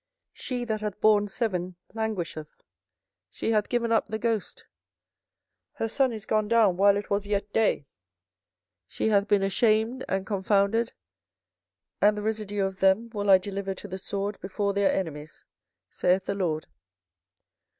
24:015:009 She that hath borne seven languisheth: she hath given up the ghost; her sun is gone down while it was yet day: she hath been ashamed and confounded: and the residue of them will I deliver to the sword before their enemies, saith the LORD.